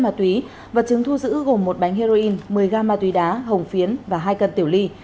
ma túy vật chứng thu giữ gồm một bánh heroin một mươi gam ma túy đá hồng phiến và hai cân tiểu ly